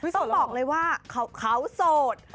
ต้องบอกเลยว่าเขาโสด